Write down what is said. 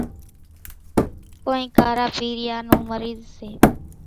ڪونئين ڪارا پيريا نون مريض سي۔